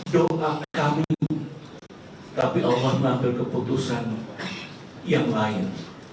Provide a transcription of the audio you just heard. doa kami tapi allah mengambil keputusan yang lain